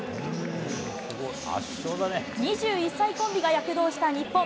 ２１歳コンビが躍動した日本。